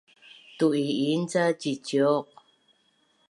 tu’i’in ca ciciuq